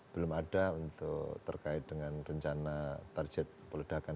belum ada untuk terkait dengan rencana target peledakan